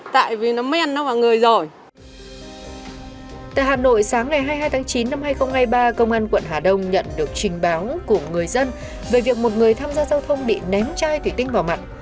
tại hà nội sáng ngày hai mươi hai tháng chín năm hai nghìn hai mươi ba công an quận hà đông nhận được trình báo của người dân về việc một người tham gia giao thông bị ném chai thủy tinh vào mặt